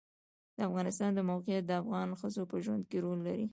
د افغانستان د موقعیت د افغان ښځو په ژوند کې رول لري.